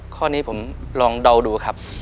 ข้อนี้ผมลองเดาดูครับ